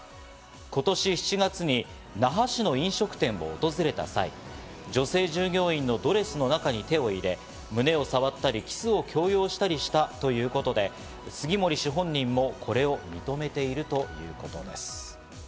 今年７月に那覇市の飲食店を訪れた際、女性従業員のドレスの中に手を入れ、胸を触ったりキスを強要したりしたということで、杉森氏本人もこれを認めているということです。